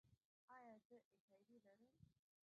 ایا زه ایچ آی وي لرم؟